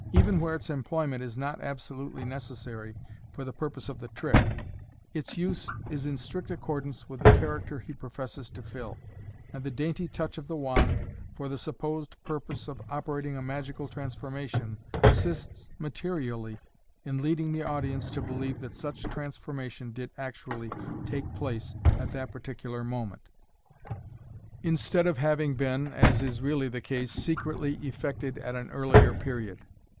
Even where its employment is not absolutely neces sary for the purpose of the trick, its use is in strict accordance with the character he professes to fill, and the dainty touch of the wand, for the supposed purpose of operating a magical transformation, assists materially in leading the audience to believe that such trans formation did actually take place at that particular moment, instead of having been (as is really the case) secretly effected at an earlier period.